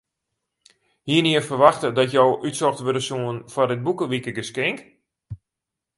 Hiene je ferwachte dat jo útsocht wurde soene foar dit boekewikegeskink?